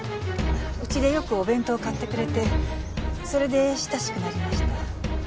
うちでよくお弁当を買ってくれてそれで親しくなりました。